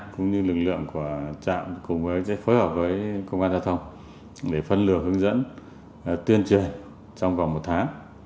cũng như lực lượng của trạm cùng với phối hợp với công an giao thông để phân luồng hướng dẫn tuyên truyền trong vòng một tháng